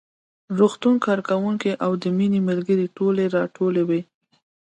روغتون کارکوونکي او د مينې ملګرې ټولې راټولې وې